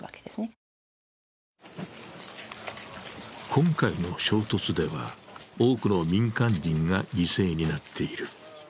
今回の衝突では、多くの民間人が犠牲になっている。